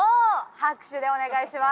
拍手をお願いします。